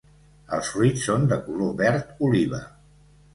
Els fruits són de color verd oliva.